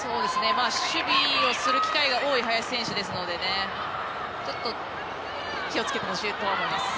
守備をする機会が多い林選手ですのでちょっと気をつけてほしいとは思います。